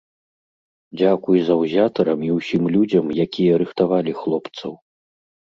Дзякуй заўзятарам і ўсім людзям, якія рыхтавалі хлопцаў.